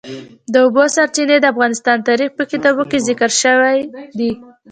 د اوبو سرچینې د افغان تاریخ په کتابونو کې ذکر شوی دي.